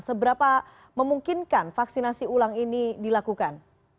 seberapa memungkinkan vaksinasi ulang ini dilakukan